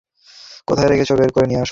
কোথায় রেখেছ বের করে নিয়ে এসো বলছি।